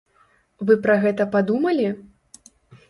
Вы пра гэта падумалі?